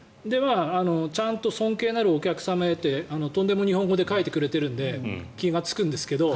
ちゃんと尊敬なるお客様へってとんでも日本語で書いてくれてるので気がつくんですけど。